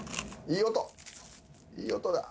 いい音だ。